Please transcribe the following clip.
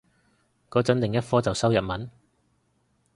個陣另一科就修日文